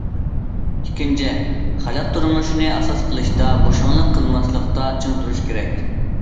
ئىككىنچى، خەلق تۇرمۇشىنى ئاساس قىلىشتا بوشاڭلىق قىلماسلىقتا چىڭ تۇرۇش كېرەك.